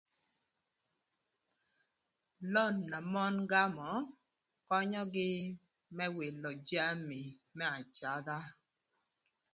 Lon na mon gamö könyögï më wïlö jami më acadha